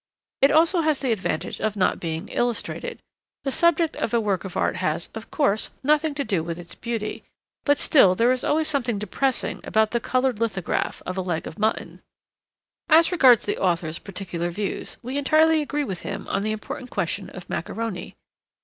It also has the advantage of not being illustrated. The subject of a work of art has, of course, nothing to do with its beauty, but still there is always something depressing about the coloured lithograph of a leg of mutton. As regards the author's particular views, we entirely agree with him on the important question of macaroni.